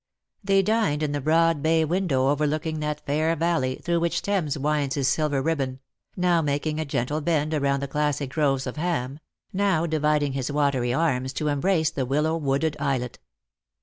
They dined in the broad bay window overlooking that fair valley through which Thames winds his silver ribbon ; now making a gentle bend around the classic groves of Ham ; now dividing his watery arms to embrace the willow wooded islet.